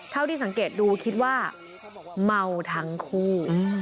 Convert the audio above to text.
เท่าที่สังเกตดูคิดว่าเมาทั้งคู่